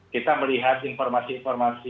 kita melihat informasi informasi